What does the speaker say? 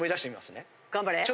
頑張れ。